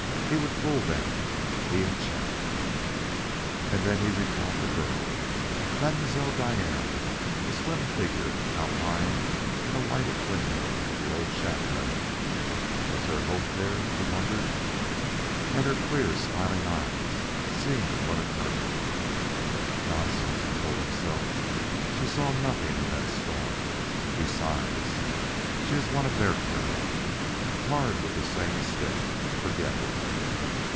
He would fool them, he and Chet. And then he recalled the girl, Mademoiselle Diane, a slim figure outlined in a lighted window of the old chateau. Was there hope there? he wondered. Had her clear, smiling eyes seen what occurred? "Nonsense," he told himself. "She saw nothing in that storm. And, besides, she is one of their crowd tarred with the same stick. Forget her."